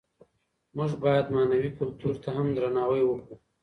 موږ بايد معنوي کلتور ته هم درناوی وکړو.